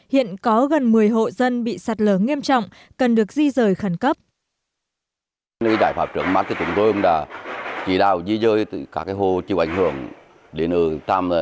hiện có gần một mươi thôn sống dọc bờ sông danh và đều chịu ảnh hưởng của sạt lở